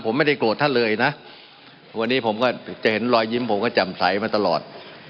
ผมไม่ได้โกรธท่านเลยนะวันนี้ผมก็จะเห็นรอยยิ้มผมก็จำใสมาตลอด